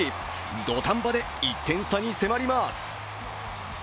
土壇場で１点差に迫ります。